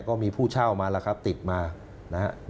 ก็มีผู้เช่ามาแล้วครับติดมานะฮะ